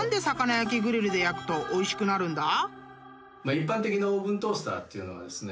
一般的なオーブントースターっていうのはですね